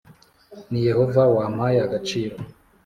Ni Yehova wampaye agaciro